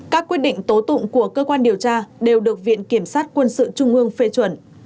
các quyết định tố tụng của cơ quan điều tra đều được viện kiểm sát quân sự trung ương phê chuẩn